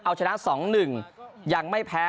เอาชนะ๒๑ยังไม่แพ้